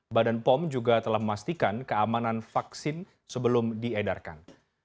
badan pom juga telah memastikan keamanan vaksin sebelum diedarkan